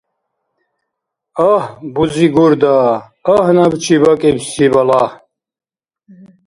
Агь, бузи Гурда, агь набчи бакӀибси балагь!